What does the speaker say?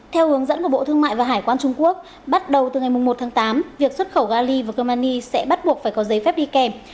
theo hướng dẫn của bộ thương mại và hải quan trung quốc bắt đầu từ ngày một tháng tám việc xuất khẩu gali và romani sẽ bắt buộc phải có giấy phép đi kèm